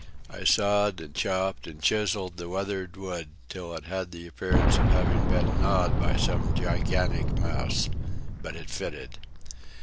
I sawed and chopped and chiselled the weathered wood till it had the appearance of having been gnawed by some gigantic mouse. But it fitted.